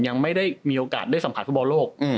ยังไม่ได้มีโอกาสได้สัมผัสฟุตบอลโลก